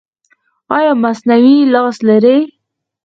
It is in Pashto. ایا مصنوعي لاس لرئ؟